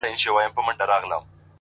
هر منزل له ثابت قدمۍ ترلاسه کېږي’